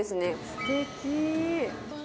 すてき。